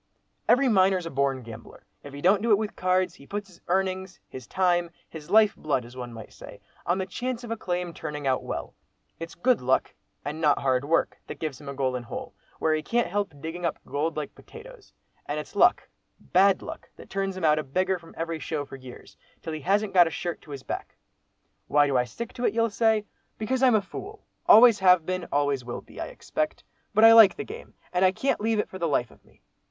"Every miner's a born gambler; if he don't do it with cards, he puts his earnings, his time, his life blood, as one might say, on the chance of a claim turning out well. It's good luck, and not hard work, that gives him a 'golden hole,' where he can't help digging up gold like potatoes, and it's luck, bad luck, that turns him out a beggar from every 'show' for years, till he hasn't got a shirt to his back. Why do I stick to it, you'll say? Because I'm a fool, always have been, always will be, I expect. But I like the game, and I can't leave it for the life of me.